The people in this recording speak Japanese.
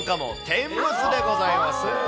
天むすでございます。